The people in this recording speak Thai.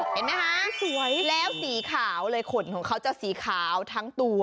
เห็นไหมคะสวยแล้วสีขาวเลยขนของเขาจะสีขาวทั้งตัว